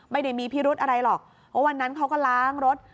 ไม่ได้มีพิรุธอะไรหรอกเพราะวันนั้นเขาก็ล้างรถ